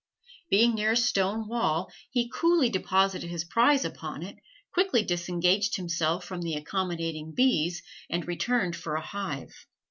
Being near a stone wall, he coolly deposited his prize upon it, quickly disengaged himself from the accommodating bees, and returned for a hive.